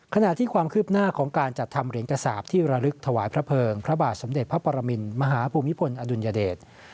ขณะที่ความคืบหน้าของการจัดทำเหรียญกระสาปที่ระลึกถวายพระเพิงพระบาทสมเด็จพระปรมินมหาภูมิพลอดุลยเดช